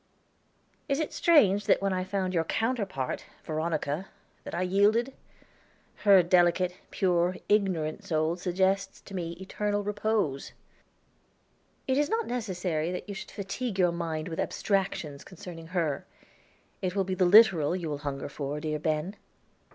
Is it strange that when I found your counterpart, Veronica, that I yielded? Her delicate, pure, ignorant soul suggests to me eternal repose." "It is not necessary that you should fatigue your mind with abstractions concerning her. It will be the literal you will hunger for, dear Ben."